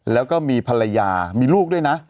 แล้วก็มีภรรยามีลูกด้วยนะ